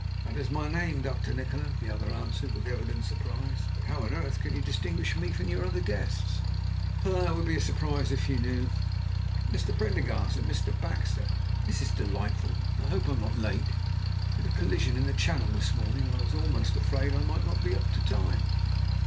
"That is my name, Dr. Nikola," the other answered with evident surprise. "But how on earth can you distinguish me from your other guests?" "Ah! it would surprise you if you knew. And Mr. Prendergast, and Mr. Baxter. This is delightful; I hope I am not late. We had a collision in the Channel this morning, and I was almost afraid I might not be up to time.